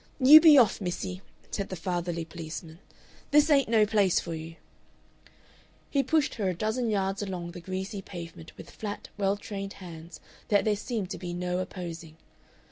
"You be off, missie," said the fatherly policeman. "This ain't no place for you." He pushed her a dozen yards along the greasy pavement with flat, well trained hands that there seemed to be no opposing.